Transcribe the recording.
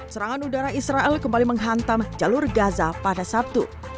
serangan udara israel kembali menghantam jalur gaza pada sabtu